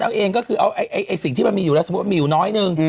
เอาเองก็คือเอาสิ่งที่มันมีอยู่แล้วสมมุติมีอยู่น้อยหนึ่ง